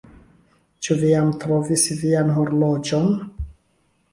Ĉu vi jam trovis vian horloĝon?